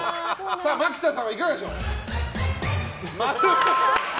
マキタさんはいかがでしょう。